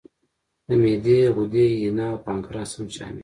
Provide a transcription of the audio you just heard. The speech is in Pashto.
د معدې غدې، ینه او پانکراس هم شامل دي.